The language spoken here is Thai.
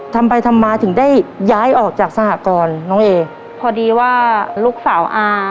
ทำไปทำมาถึงได้ย้ายออกจากสหกรณ์น้องเอพอดีว่าลูกสาวอา